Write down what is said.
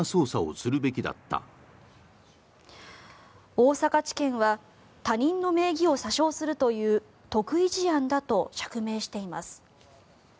大阪地検は他人の名義を詐称するという特異事案だと釈明しています。